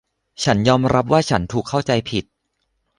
ฉันยอมรับว่าฉันถูกเข้าใจผิด